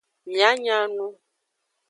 Mia nya nu.